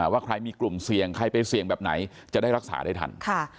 ว่าใครมีกลุ่มเสี่ยงใครไปเสี่ยงแบบไหนจะได้รักษาได้ทัน